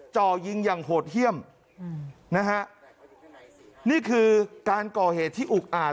จ่อยิงอย่างโหดเยี่ยมอืมนะฮะนี่คือการก่อเหตุที่อุกอาจ